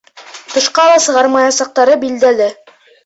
Тышҡа ла сығармаясаҡтары билдәле.